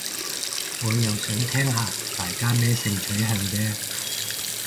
我又想聽下大家咩性取向啫